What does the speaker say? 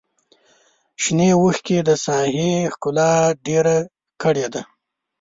شنې وښکې د ساحې ښکلا ډېره کړې وه.